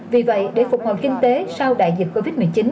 vì vậy để phục hồi kinh tế sau đại dịch covid một mươi chín